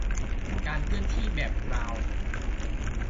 "การเคลื่อนที่แบบบราวน์"